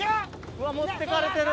うわ持ってかれてる。